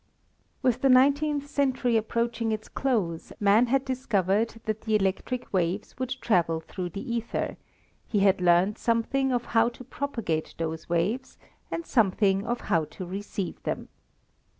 With the nineteenth century approaching its close, man had discovered that the electric waves would travel through the ether; he had learned something of how to propagate those waves, and something of how to receive them.